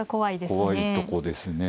怖いとこですね。